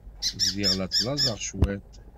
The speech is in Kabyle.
Bdiɣ la ttlaẓeɣ cwiṭ.